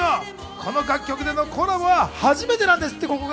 この楽曲でのコラボは初めてなんですって。